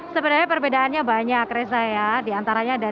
sebenarnya perbedaannya banyak reza ya